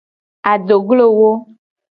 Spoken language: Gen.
Adoglowo.